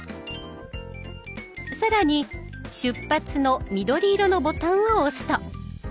更に「出発」の緑色のボタンを押すと。